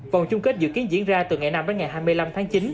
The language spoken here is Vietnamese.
vòng chung kết dự kiến diễn ra từ ngày năm đến ngày hai mươi năm tháng chín